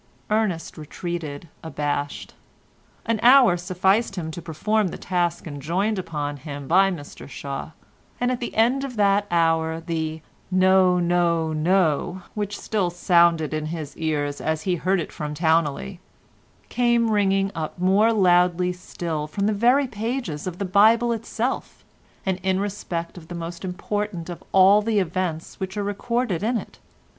Ernest retreated abashed. An hour sufficed him to perform the task enjoined upon him by Mr Shaw; and at the end of that hour the "No, no, no," which still sounded in his ears as he heard it from Towneley, came ringing up more loudly still from the very pages of the Bible itself, and in respect of the most important of all the events which are recorded in it.